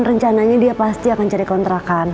rencananya dia pasti akan cari kontrakan